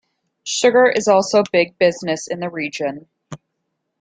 Sugar is also big business in the region.